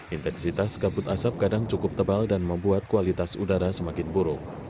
intensitas kabut asap kadang cukup tebal dan membuat kualitas udara semakin buruk